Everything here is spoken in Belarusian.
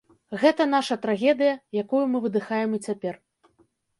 Гэта наша трагедыя, якую мы выдыхаем і цяпер.